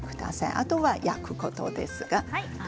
あとは焼くことです。